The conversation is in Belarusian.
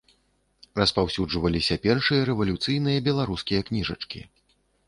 Распаўсюджваліся першыя рэвалюцыйныя беларускія кніжачкі.